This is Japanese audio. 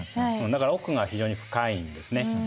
だから奥が非常に深いんですね。